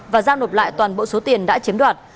và giao nộp lại toàn bộ số tiền đã chiếm đoạt